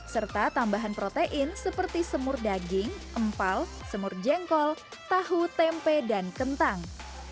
serta tambahan protein seperti semur daging empal semur jengkol tahu tempe dan kentang